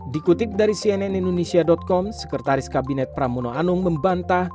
dikutip dari cnn indonesia com sekretaris kabinet pramono anung membantah